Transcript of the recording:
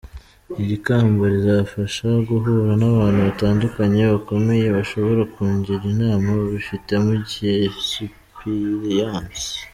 Iri kamba rizamfasha guhura n’abantu batandukanye bakomeye bashobora kungira inama babifitemo egisipirayansi.